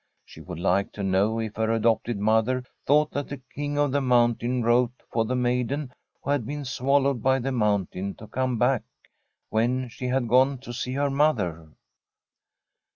She would like to know if her adopted mother thought that the King of the Mountain wrote for the maiden who had been swallowed by the mountain to come back when she had gone to see her mother?